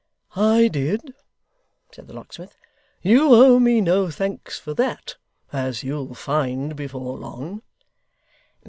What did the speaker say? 'I did,' said the locksmith. 'You owe me no thanks for that as you'll find before long.